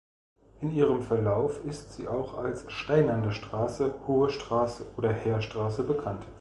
In ihrem Verlauf ist sie auch als "Steinerne Straße", "Hohe Straße" oder "Heerstraße" bekannt.